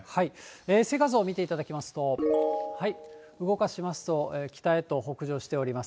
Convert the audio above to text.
衛星画像を見ていただきますと、動かしますと、北へと北上しております。